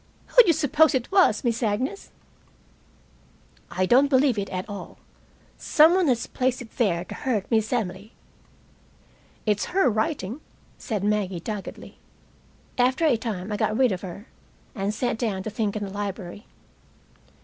"Who d'you suppose it was, Miss Agnes?" "I don't believe it at all. Some one has placed it there to hurt Miss Emily." "It's her writing," said Maggie doggedly. After a time I got rid of her, and sat down to think in the library.